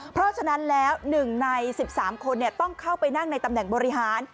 เพราะฉะนั้นแล้ว๑ใน๑๓คนต้องเข้าไปนั่งในตำแหน่งบริหาร